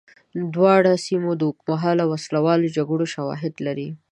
دواړو سیمو د اوږدمهاله وسله والو جګړو شواهد لري.